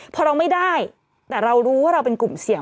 พอเราไม่ได้แต่เรารู้ว่าเราเป็นกลุ่มเสี่ยง